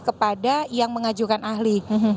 kepada yang mengajukan ahli